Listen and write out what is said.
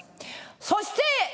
そして。